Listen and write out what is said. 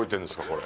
これ。